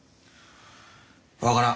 分からん。